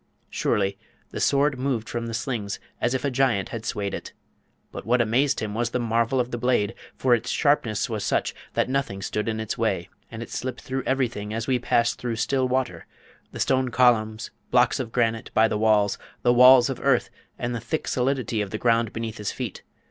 Surely, the Sword moved from the slings as if a giant had swayed it! But what amazed him was the marvel of the blade, for its sharpness was such that nothing stood in its way, and it slipped through everything as we pass through still water, the stone columns, blocks of granite by the walls, the walls of earth, and the thick solidity of the ground beneath his feet.